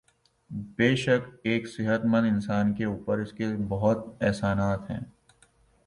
بیشک ایک صحت مند اانسان کے اوپر اسکے بہت احسانات ہیں